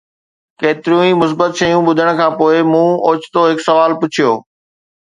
ڪيتريون ئي مثبت شيون ٻڌڻ کان پوء، مون اوچتو هڪ سوال پڇيو